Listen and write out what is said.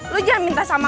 lu jangan minta sampah